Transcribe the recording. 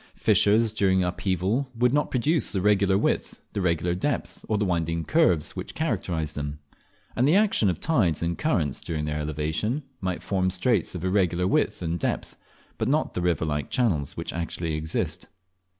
Fissures during upheaval would not produce the regular width, the regular depth, or the winding curves which characterise them; and the action of tides and currents during their elevation might form straits of irregular width and depth, but not the river like channels which actually exist.